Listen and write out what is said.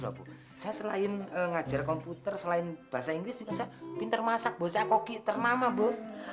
lho bu saya selain ngajar komputer selain bahasa inggris bisa pinter masak bosnya koki ternama bu